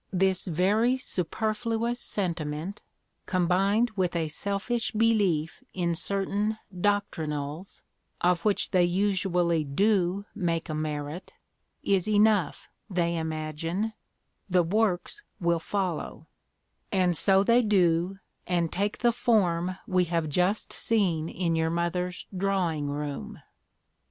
This very superfluous sentiment, combined with a selfish belief in certain doctrinals (of which they usually do make a merit), is enough, they imagine the 'works' will follow; and so they do, and take the form we have just seen in your mother's drawing room.